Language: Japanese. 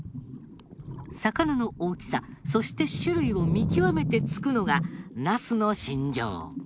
魚の大きさそして種類を見極めて突くのがナスの信条。